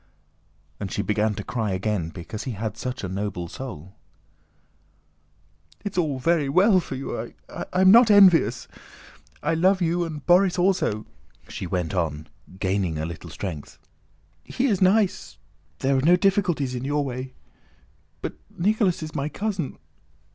And she began to cry again because he had such a noble soul. "It's all very well for you... I am not envious... I love you and Borís also," she went on, gaining a little strength; "he is nice... there are no difficulties in your way.... But Nicholas is my cousin...